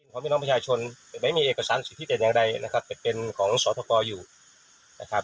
ของพี่น้องประชาชนไม่มีเอกสารสิทธิเด่นอย่างใดนะครับเป็นของสตภปอล์อยู่นะ